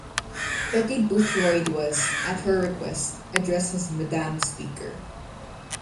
Betty Boothroyd was, at her request, addressed as "Madam Speaker".